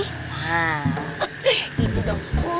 hah gitu dong